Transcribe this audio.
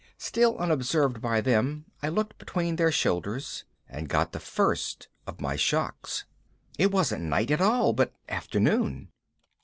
_ Still unobserved by them, I looked between their shoulders and got the first of my shocks. It wasn't night at all, but afternoon.